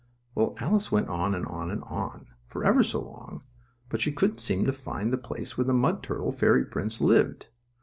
Well, Alice went on and on and on, for ever so long, but she couldn't seem to find the place where the mud turtle fairy prince lived.